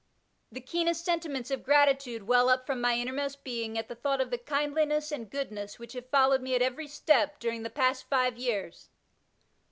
The keenest sentiments of gratitude well up from my innermost being at the thought of the kind liness and goodness which have followed me at every step during the past five years.